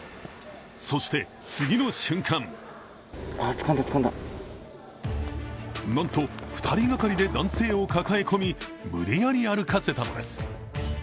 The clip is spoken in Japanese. そして次の瞬間なんと２人がかりで男性を抱え込み、無理やり歩かせたのです。